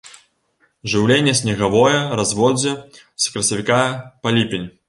Жыўленне снегавое, разводдзе з красавіка па ліпень.